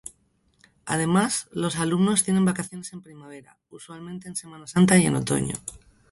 Además, los alumnos tienen vacaciones en primavera, usualmente en Semana Santa y en otoño.